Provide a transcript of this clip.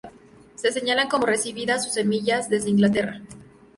Se señalan como recibidas sus semillas desde Inglaterra.